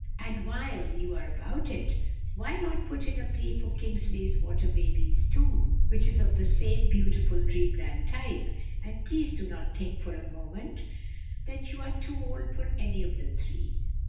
And while you are about it, why not put in a plea for Kingsley's "Water Babies," too, which is of the same beautiful dreamland type; and please do not think for a moment that you are too old for any of the three.